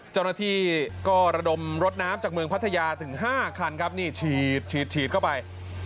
เจ้าหน้าที่ก็ระดมรถน้ำจากเมืองพัทยาถึง๕คันครับนี่ฉีดฉีดเข้าไป